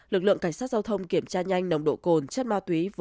lực lượng cảnh sát giao thông kiểm tra nhanh nồng độ cồn chất ma túy